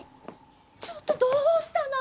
ちょっとどうしたの！？